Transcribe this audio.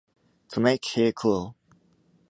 To make hair curl.